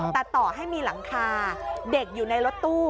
แต่ต่อให้มีหลังคาเด็กอยู่ในรถตู้